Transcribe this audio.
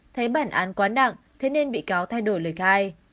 thấy bản án quá nặng thế nên bị cáo thay đổi lời khai